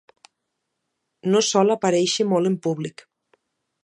No sol aparèixer molt en públic.